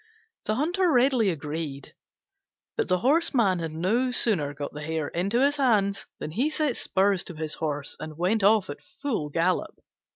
The Hunter readily agreed; but the Horseman had no sooner got the hare in his hands than he set spurs to his horse and went off at full gallop.